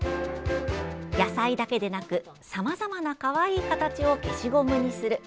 野菜だけでなくさまざまな、かわいい形を消しゴムにする。